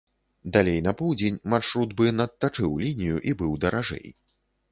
Далей на поўдзень маршрут бы надтачыў лінію і быў даражэй.